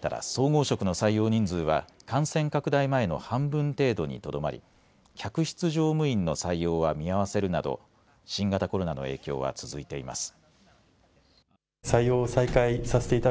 ただ総合職の採用人数は感染拡大前の半分程度にとどまり客室乗務員の採用は見合わせるなど新型コロナの影響は続いています。